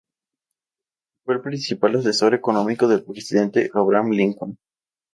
Fue el principal asesor económico del presidente Abraham Lincoln.